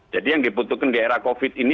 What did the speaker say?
jadi yang dibutuhkan di era covid ini